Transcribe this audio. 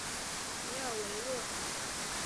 米尔维勒。